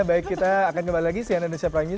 baik kita akan kembali lagi cnn indonesia prime news